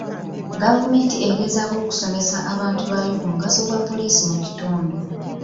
Gavumenti egezaako okusomesa abantu baayo ku mugaso gwa poliisi mu kitundu.